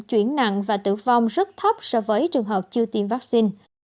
chuyển nặng và tử vong rất thấp so với trường hợp chưa tiêm vaccine